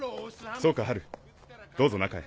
そうかハルどうぞ中へ。